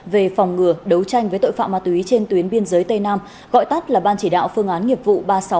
về phòng ngừa đấu tranh với tội phạm ma túy trên tuyến biên giới tây nam gọi tắt là ban chỉ đạo phương án nghiệp vụ ba nghìn sáu trăm ba mươi ba